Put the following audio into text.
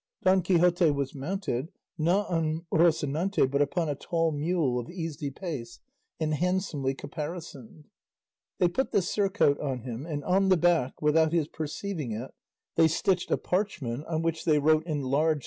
Don Quixote was mounted, not on Rocinante, but upon a tall mule of easy pace and handsomely caparisoned. They put the surcoat on him, and on the back, without his perceiving it, they stitched a parchment on which they wrote in large letters, "This is Don Quixote of La Mancha."